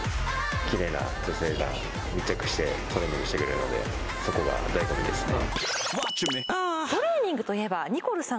きれいな女性が密着してトレーニングしてくれるのでそこがだいご味ですね